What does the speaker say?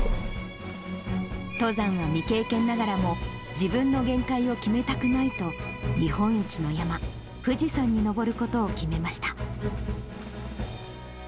登山は未経験ながらも、自分の限界を決めたくないと、日本一の山、富士山に登ることを決めました。